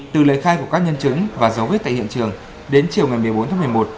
từ lời khai của các nhân chứng và dấu vết tại hiện trường đến chiều ngày một mươi bốn tháng một mươi một